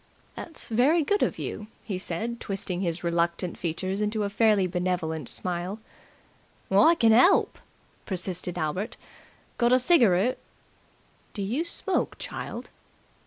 "That's very good of you," he said, twisting his reluctant features into a fairly benevolent smile. "I can 'elp!" persisted Albert. "Got a cigaroot?" "Do you smoke, child?"